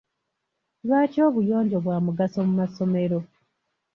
Lwaki obuyonjo bwa mugaso mu masomero?